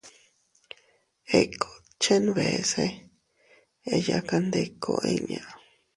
Ikut chenbese eyakandiku inña.